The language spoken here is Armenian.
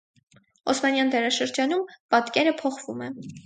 Օսմանյան դարաշրջանում պատկերը փոխվում է։